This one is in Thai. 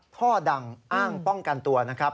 พ่อดังอ้างป้องกันตัวนะครับ